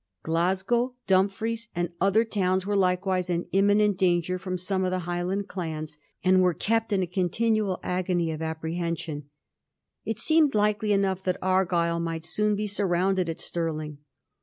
Glasgow, Dumfries, and other towns were likewise in imminent danger from some of the Highland dans, and were kept in a continual agony of apprehension. It Beemed likely enough that Argyll might soon be surrounded at Stirling.